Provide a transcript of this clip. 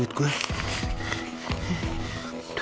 ya udah aku matiin aja deh